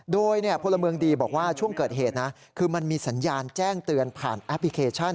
โดยพลเมืองดีบอกว่าช่วงเกิดเหตุนะคือมันมีสัญญาณแจ้งเตือนผ่านแอปพลิเคชัน